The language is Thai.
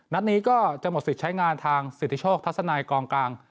นัดนี้ก็จะหมดสิทธิ์ใช้งานทางสิทธิโชคทัศนายกองกลาง